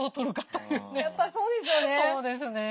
やっぱりそうですよね。